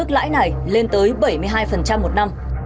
lãi này lên tới bảy mươi hai một năm